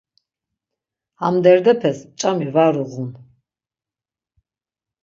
Ham derdepes ç̌ami var uğun.